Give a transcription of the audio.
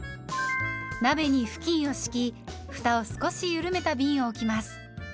鍋に布巾を敷きふたを少しゆるめたびんを置きます。